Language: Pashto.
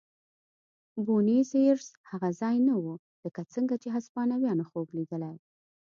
بونیس ایرس هغه ځای نه و لکه څنګه چې هسپانویانو خوب لیدلی.